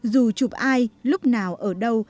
dù chụp ai lúc nào ở đâu